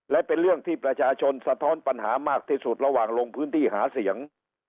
และเป็นเรื่องที่ประชาชนสะท้อนปัญหามากที่สุดระหว่างลงพื้นที่หาเสียง